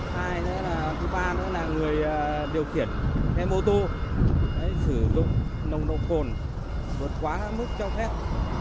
hay là người điều khiển xe mô tô sử dụng nồng độ cồn vượt quá mức cho phép